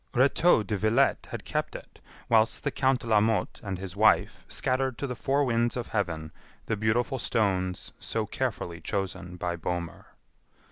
Rétaux de Villette had kept it, whilst the Count de la Motte and his wife scattered to the four winds of heaven the beautiful stones so carefully chosen by Bohmer.